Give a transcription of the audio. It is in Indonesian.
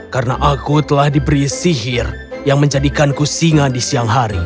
karena aku telah diberi sihir yang menjadikanku singa di siang hari